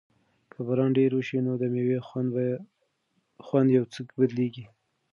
که باران ډېر وشي نو د مېوو خوند یو څه بدلیږي.